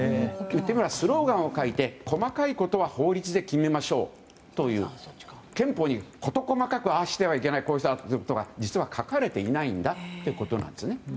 言ってみればスローガンを書いて細かいことは法律で決めましょうという憲法に事細かくああしてはいけないということは実は書かれていないんだってことなんですね。